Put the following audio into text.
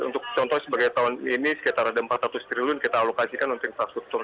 untuk contoh sebagai tahun ini sekitar ada empat ratus triliun kita alokasikan untuk infrastruktur